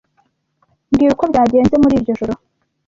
Mbwira uko byagenze muri iryo joro.